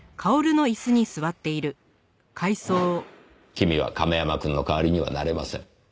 君は亀山くんの代わりにはなれません。